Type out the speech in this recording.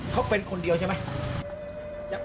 เขาเป็นคนเดียวใช่ไหม